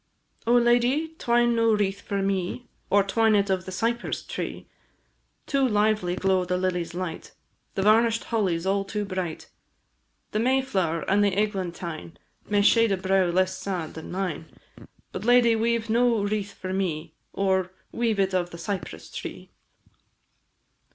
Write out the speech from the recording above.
Oh, lady! twine no wreath for me, Or twine it of the cypress tree! Too lively glow the lilies' light, The varnish'd holly 's all too bright, The mayflower and the eglantine May shade a brow less sad than mine; But, lady, weave no wreath for me, Or weave it of the cypress tree!